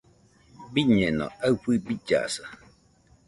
Biñeno aɨfɨ billasa.